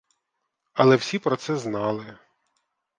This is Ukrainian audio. Але всі про це знали.